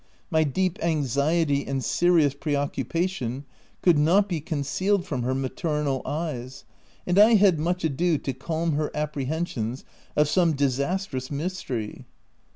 My deep anxiety and serious preoccupation, could not be concealed from her maternal eyes ; and I had much ado to calm her apprehensions of some disastrous mystery.